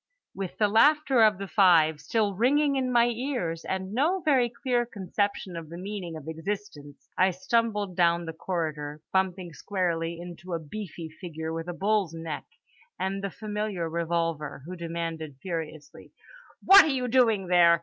With the laughter of the Five still ringing in my ears, and no very clear conception of the meaning of existence, I stumbled down the corridor; bumping squarely into a beefy figure with a bull's neck and the familiar revolver who demanded furiously: "What are you doing there?